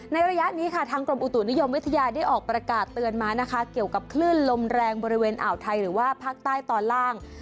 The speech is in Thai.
ระยะนี้ค่ะทางกรมอุตุนิยมวิทยาได้ออกประกาศเตือนมานะคะเกี่ยวกับคลื่นลมแรงบริเวณอ่าวไทยหรือว่าภาคใต้ตอนล่าง